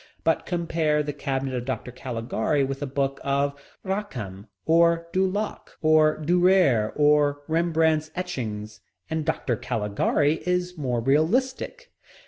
But compare The Cabinet of Dr. Caligari with a book of Rackham or Du Lac or Dürer, or Rembrandt's etchings, and Dr. Caligari is more realistic.